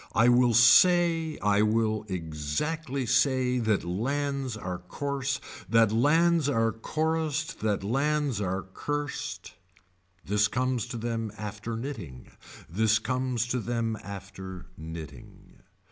I will say I will exactly say that lands are coarse, that lands are chorused that lands are cursed. This comes to them after knitting. This comes to them after knitting.